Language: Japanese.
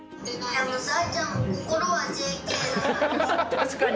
確かに。